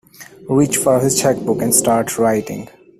Reach for his cheque-book and start writing.